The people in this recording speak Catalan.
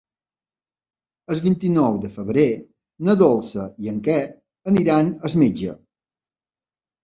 El vint-i-nou de febrer na Dolça i en Quer aniran al metge.